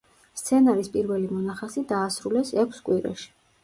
სცენარის პირველი მონახაზი დაასრულეს ექვს კვირაში.